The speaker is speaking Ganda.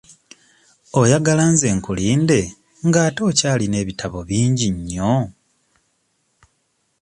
Oyagala nze nkulinde nga ate okyalina ebitabo bingi nnyo?